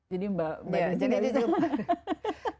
jadi mbak badan juga bisa